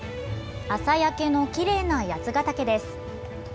朝焼けのきれいな八ヶ岳です。